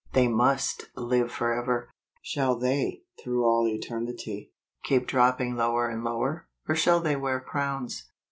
they must live forever. Shall they, through all eternity, keep droppiug lower and lower, or shall they wear crowns